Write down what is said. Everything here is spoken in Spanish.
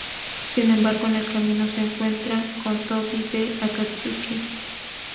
Sin embargo, en el camino se encuentran con Tobi de Akatsuki.